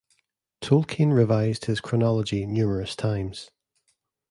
Tolkien revised his chronology numerous times.